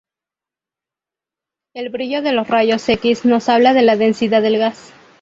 El brillo de los rayos X nos habla de la densidad del gas.